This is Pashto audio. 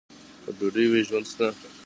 که ډوډۍ وي، ژوند شته.